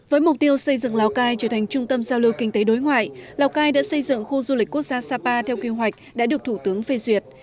với mục tiêu xây dựng lào cai trở thành trung tâm giao lưu kinh tế đối ngoại lào cai đã xây dựng khu du lịch quốc gia sapa theo kế hoạch đã được thủ tướng phê duyệt